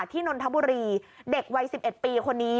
นนทบุรีเด็กวัย๑๑ปีคนนี้